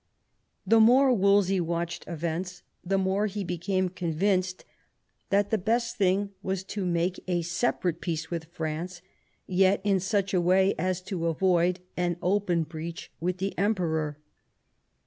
The more Wolsey watched events the more he became convinced* that the best thing was to make a 102 THOMAS WOLSEY chap. separate peace with France, yet in such a way as to avoid an open breach with the Emperor.